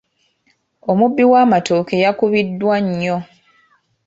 Omubbi w'amatooke yakubiddwa nnyo.